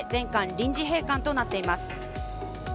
臨時閉館となっています。